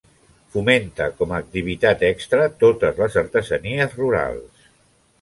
Fomenta, com a activitat extra, totes les artesanies rurals.